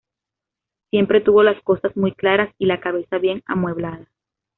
Siempre tuvo las cosas muy claras y la cabeza bien amueblada